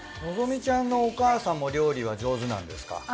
希ちゃんのお母さんも料理は上手なんですか？